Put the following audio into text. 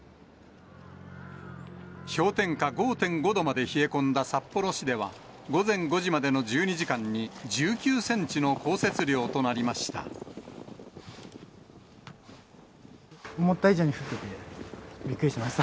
氷点下５．５度まで冷え込んだ札幌市では、午前５時までの１２時間に１９センチの降雪量となりました。